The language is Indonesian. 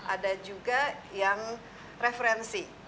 ada juga yang referensi